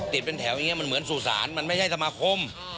ติดเป็นแถวอย่างนี้มันเหมือนสู่ศาลมันไม่ใช่สมาคม